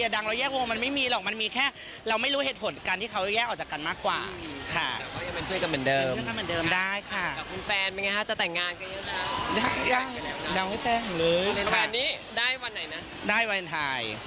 ดีใจด้วยนะ